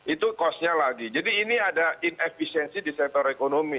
itu kosnya lagi jadi ini ada ineficiency di sektor ekonomi